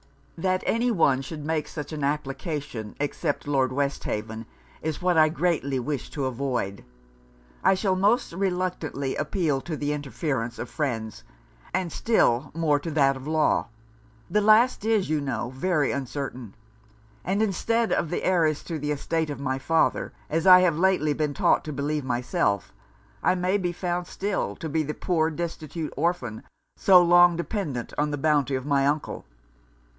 'That any one should make such an application, except Lord Westhaven, is what I greatly wish to avoid. I shall most reluctantly appeal to the interference of friends; and still more to that of law. The last is, you know, very uncertain. And instead of the heiress to the estate of my father, as I have lately been taught to believe myself, I may be found still to be the poor destitute orphan, so long dependant on the bounty of my uncle.'